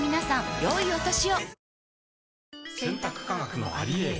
良いお年を。